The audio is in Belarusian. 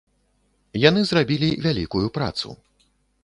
Яны зрабілі вялікую працу.